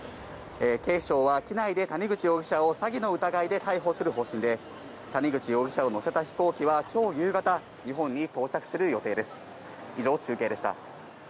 警視庁は機内で谷口容疑者を詐欺の疑いで逮捕する方針で、谷口容疑者を乗せた飛行機は今日夕方、日本に到着する予定です。